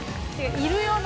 いるよな。